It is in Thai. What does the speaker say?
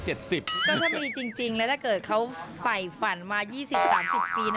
ก็ถ้ามีจริงแล้วถ้าเกิดเขาไฝ่ฝันมา๒๐๓๐ปี